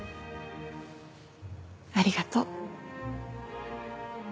ありがとう。